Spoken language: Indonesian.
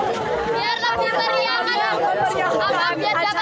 biar nanti beriakan